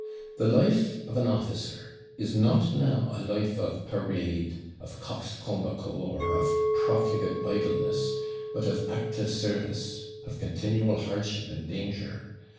The life of an officer is not now a life of parade, of coxcombical, or of profligate idleness but of active service, of continual hardship and danger.